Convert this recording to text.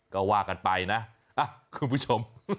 ก็ว่ากันไปนะคุณผู้ชม